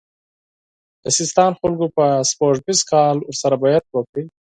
د سیستان خلکو په سپوږمیز کال ورسره بیعت وکړ.